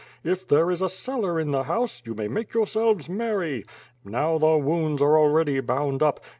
If there is a cellar in the house, you may make yourselves merry. Now the wounds are already bound up.